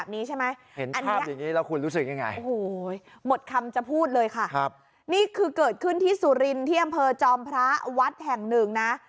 นี่คือเกิดขึ้นที่สุรินที่อำเภอจอมพระวัดแห่งหนึ่งนะ